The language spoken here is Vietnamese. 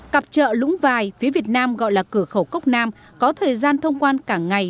cặp trợ lũng vài phía việt nam gọi là cửa khẩu cốc nam có thời gian thông quan cả ngày